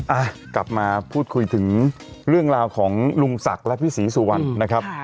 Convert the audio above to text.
อ่ะกลับมาพูดคุยถึงเรื่องราวของลุงศักดิ์และพี่ศรีสุวรรณนะครับ